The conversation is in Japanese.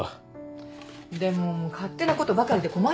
でも勝手なことばかりで困ります。